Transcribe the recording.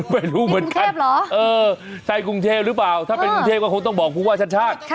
ไม่รู้เหมือนกันใช่กรุงเทพหรือเปล่าถ้าเป็นกรุงเทพก็คงต้องบอกผู้ว่าชาติชาติ